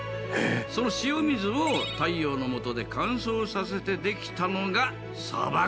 その塩水を太陽のもとで乾燥させてできたのが砂漠塩ってわけだ。